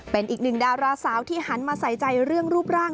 เป็นอีกหนึ่งดาราสาวที่หันมาใส่ใจเรื่องรูปร่าง